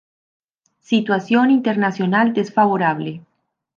Situación internacional desfavorable.